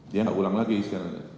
dia tidak ulang lagi skenario